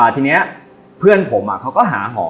ทีนี้เพื่อนผมเขาก็หาหอ